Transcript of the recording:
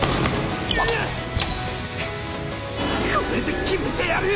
これで決めてやる！